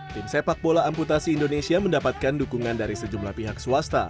tim sepak bola amputasi indonesia mendapatkan dukungan dari sejumlah pihak swasta